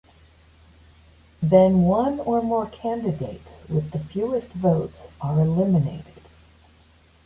Then one or more candidates with the fewest votes are eliminated.